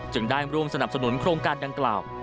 ได้ร่วมสนับสนุนโครงการดังกล่าว